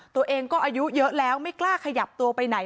ตัวเองก็อายุเยอะแล้วไม่กล้าขยับตัวไปไหน